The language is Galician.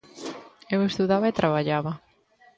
Eu estudaba e traballaba.